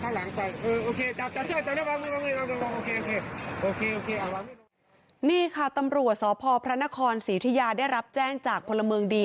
หลุมพ่อมีอะไรต้องเจอกับผมได้